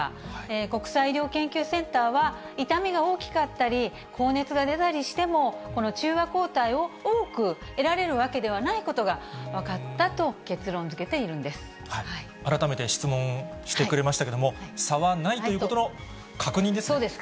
国際医療研究センターは、痛みが大きかったり、高熱が出たりしても、この中和抗体を多く得られるわけではないことが分かったと結論づ改めて質問してくれましたけれども、差はないということの確認ですね？